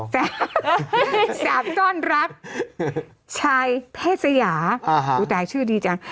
สามซ่อนรักชายเพศยาผู้ตายชื่อดีจัง